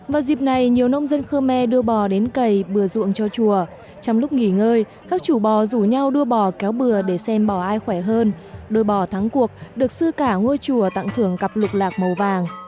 vào dịp này nhiều nông dân khơ me đưa bò đến cây bừa ruộng cho chùa trong lúc nghỉ ngơi các chủ bò rủ nhau đua bò kéo bừa để xem bỏ ai khỏe hơn đôi bò thắng cuộc được sư cả ngôi chùa tặng thưởng cặp lục lạc màu vàng